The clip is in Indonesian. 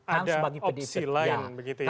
ada opsi lain begitu ya